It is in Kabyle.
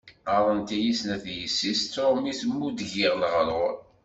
Ɣaḍent-iyi snat yessi-s, d trumit mu d-giḍ leɣrur.